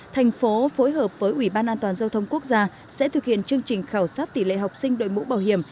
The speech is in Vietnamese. thành phố phối hợp với ủy ban an toàn giao thông quốc gia sẽ thực hiện chương trình khảo sát tỷ lệ học sinh đội mũ bảo hiểm